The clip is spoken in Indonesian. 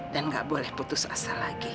dan enggak boleh putus asa